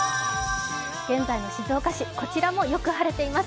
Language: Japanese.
現在の静岡市、こちらもよく晴れています。